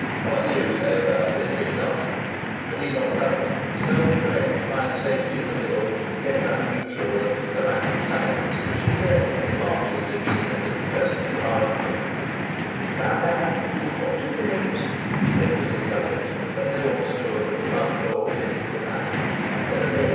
"What do you say about this, Enoch?" But Enoch Lovatt, self trained to find safety in the middle, kept that neutral and diplomatic silence which invariably marked his demeanour in the presence of an argument. "Now, Nan, you'll talk to James," said Mrs Lovatt, when they all stood at the front door bidding good night.